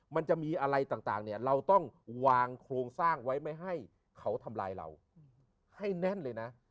มันจะมีอะไรต่างเนี่ยเราต้องวางโครงสร้างไว้ไม่ให้เขาทำลายเราให้แน่นเลยนะ